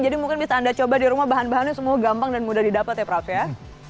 jadi mungkin bisa anda coba di rumah bahan bahannya semua gampang dan mudah didapet ya praf ya